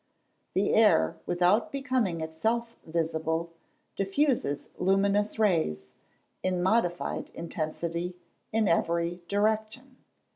The air, without becoming itself visible, diffuses luminous rays, in modified intensity, in every direction.